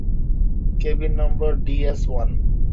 Cabin নম্বর DS-one.